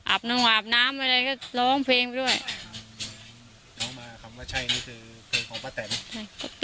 บนึงอาบน้ำอะไรก็ร้องเพลงไปด้วยร้องมาคำว่าใช่นี่คือเพลงของป้าแตนใช่